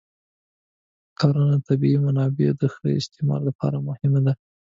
کرنه د طبیعي منابعو د ښه استعمال لپاره مهمه ده.